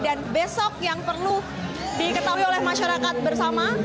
dan besok yang perlu diketahui oleh masyarakat bersama